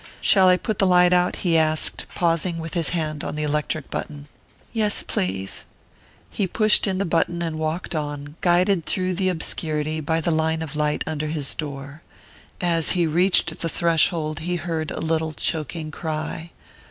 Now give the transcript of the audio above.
"Shall I put the light out?" he asked, pausing with his hand on the electric button. "Yes, please." He pushed in the button and walked on, guided through the obscurity by the line of light under his door. As he reached the threshold he heard a little choking cry.